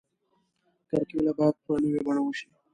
کرکیله باید په نوې بڼه وشي.